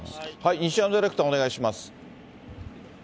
西山ディレクター、お願いします。